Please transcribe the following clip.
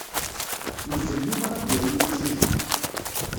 Yuzzel Yuba ad d-yawi imsujji.